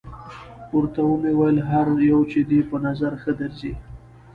ورته ومې ویل: هر یو چې دې په نظر ښه درځي.